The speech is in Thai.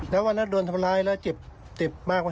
แล้ววันนั้นโดนทำลายแล้วเจ็บมากมั้ยครับ